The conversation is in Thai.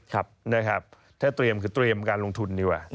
ถ้าเตรียมคือเตรียมการลงทุนดีกว่า